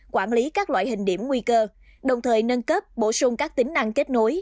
quản lý các loại hình điểm nguy cơ đồng thời nâng cấp bổ sung các tính năng kết nối